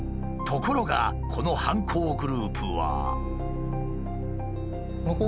ところがこの犯行グループは。